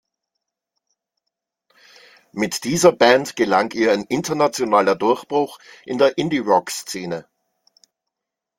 Mit dieser Band gelang ihr ein internationaler Durchbruch in der Indie-Rock-Szene.